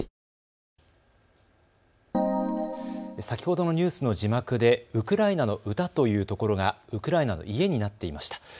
先ほどのニュースの字幕でウクライナの歌というところがウクライナの家になっていました。